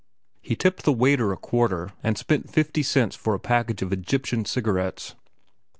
He tipped the waiter a quarter, and spent fifty cents for a package of Egyptian cigarettes.